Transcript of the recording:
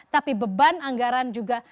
tapi beban anggaran juga